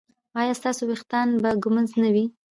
ایا ستاسو ویښتان به ږمنځ نه وي؟